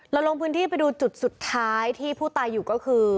ลงพื้นที่ไปดูจุดสุดท้ายที่ผู้ตายอยู่ก็คือ